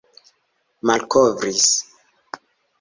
malkovris